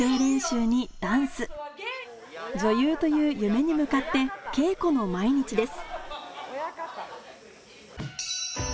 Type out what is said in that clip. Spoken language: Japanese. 女優という夢に向かって稽古の毎日です